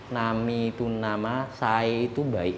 nami itu nama sae itu baik